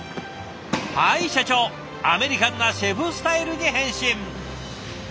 はい社長アメリカンなシェフスタイルに変身！